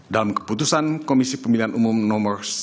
dalam keputusan komisi pemilihan umum no seribu enam ratus tiga puluh dua